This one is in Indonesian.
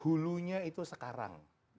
hulunya itu sekarang